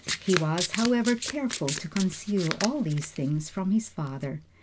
He was, however, careful to conceal all these things from his father.